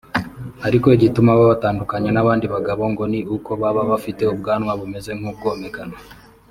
Ariko igituma babatandukanya n’abandi bagabo ngo ni uko baba bafite ubwanwa bumeze nk’ubwomekano